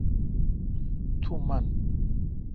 تو من